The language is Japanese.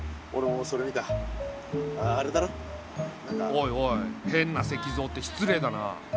おいおい変な石像って失礼だな。